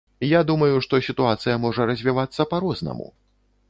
Я думаю, што сітуацыя можа развівацца па-рознаму.